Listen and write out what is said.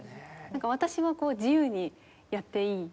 なんか私は自由にやっていい。